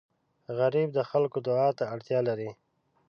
غریب د خلکو دعا ته اړتیا لري